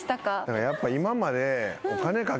やっぱ今まで。